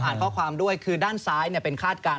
อ่านข้อความด้วยคือด้านซ้ายเนี่ยเป็นคาดการณ์